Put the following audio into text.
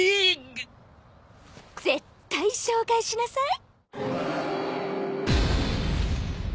絶対紹介しなさい。